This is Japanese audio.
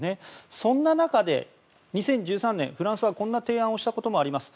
そんな中で２０１３年フランスはこんな提案をしたことがあります。